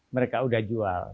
mereka sudah jual